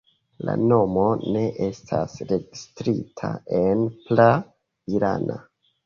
La nomo ne estas registrita en pra-irana.